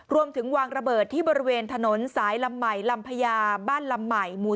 รวมถึงวางระเบิดที่บริเวณถนนสายลำใหม่ลำพญาบ้านลำใหม่หมู่๔